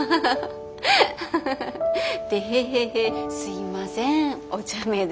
テヘヘヘすいませんおちゃめで。